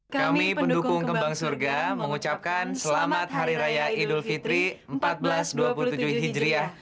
kami pendukung kembang surga mengucapkan selamat hari raya idul fitri seribu empat ratus dua puluh tujuh hijriah